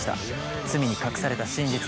罪に隠された真実とは？